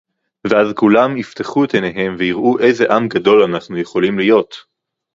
ואז כולם יפתחו את עיניהם ויראו איזה עם גדול אנחנו יכולים להיות